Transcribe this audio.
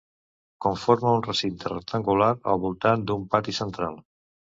Conforma un recinte rectangular al voltant d'un pati central.